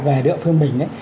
về địa phương mình